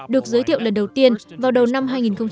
được giới thiệu lần đầu tiên vào đầu năm hai nghìn một mươi chín